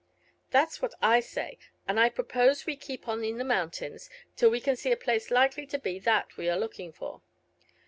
"That's what I say, and I propose that we keep on in the mountains till we can see a place likely to be that we are looking for."